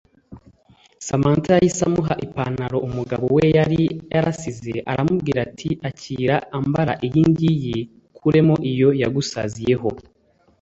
Samantha yahise amuha i pantalo umugabo we yari yarasize arambwira ati akira ambara iyi ngiyi ukuremo iyo ysgusaziyeho